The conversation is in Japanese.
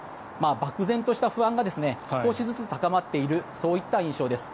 漠然とした不安が少しずつ高まっているそういった印象です。